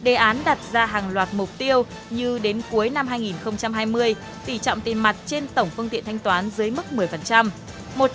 đề án đặt ra hàng loạt mục tiêu như đến cuối năm hai nghìn hai mươi tỷ trọng tiền mặt trên tổng phương tiện thanh toán dưới mức một mươi